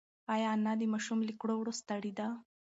ایا انا د ماشوم له کړو وړو ستړې ده؟